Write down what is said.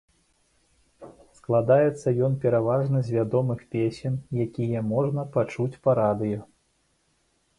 Складаецца ён пераважна з вядомых песень, якія можна пачуць па радыё.